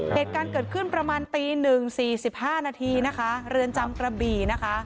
เหตุการณ์เกิดขึ้นประมาณตี๑๔๕นาทีเรือนจำกระบี